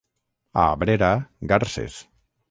A Abrera, garses.